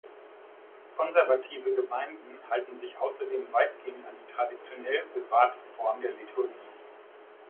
Konservative Gemeinden halten sich außerdem weitgehend an die traditionell bewahrte Form der Liturgie.